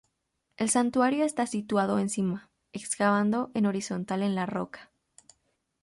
El santuario está situado encima, excavado en horizontal en la roca.